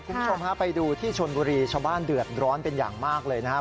คุณผู้ชมฮะไปดูที่ชนบุรีชาวบ้านเดือดร้อนเป็นอย่างมากเลยนะครับ